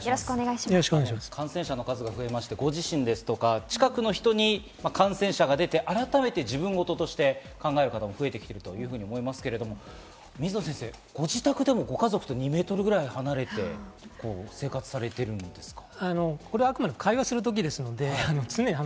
感染者の数が増えまして、ご自身や近くの人に感染者が出て、改めて自分事として考えてる方も増えたと思いますが、水野先生、ご自宅でもご家族と２メートルくらい離れて生活されているんですか？